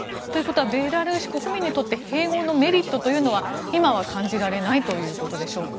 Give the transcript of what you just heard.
ベラルーシ国民にとって併合のメリットは今は感じられないということでしょうか。